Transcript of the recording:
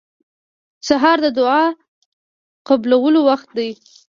سهار د دعا قبولو وخت دی.